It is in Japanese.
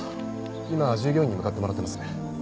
今従業員に向かってもらってます。